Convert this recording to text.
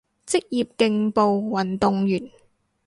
職業競步運動員